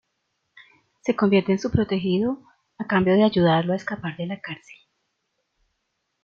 Se convierte en su protegido a cambio de ayudarlo a escapar de la cárcel.